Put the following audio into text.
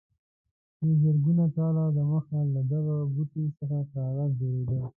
چې زرګونه کاله دمخه له دغه بوټي څخه کاغذ جوړېده.